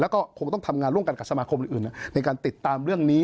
แล้วก็คงต้องทำงานร่วมกันกับสมาคมอื่นในการติดตามเรื่องนี้